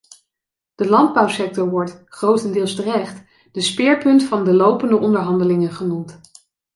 De landbouwsector wordt - grotendeels terecht - de speerpunt van de lopende onderhandelingen genoemd.